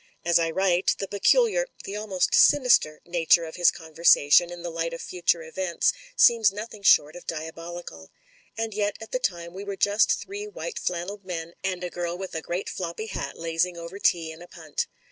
As I write, the peculiar — the almost sinister — ^nature of his conversation, in the light of future events, seems nothing short of diabolical. And yet at the time we were just three white flannelled men and a girl with a great floppy hat lazing over tea in a punt.